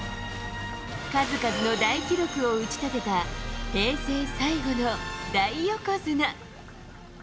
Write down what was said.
数々の大記録を打ち立てた平成最後の大横綱。